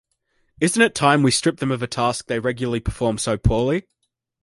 Isn't it time we stripped them of a task they regularly perform so poorly?